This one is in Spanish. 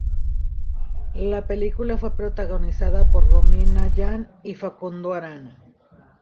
La película fue protagonizada por Romina Yan y Facundo Arana.